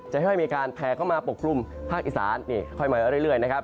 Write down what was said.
จะค่อยมีการแผ่เข้ามาปกคลุมภาคอีสานนี่ค่อยมาเรื่อยนะครับ